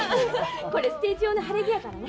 これステージ用の晴れ着やからね。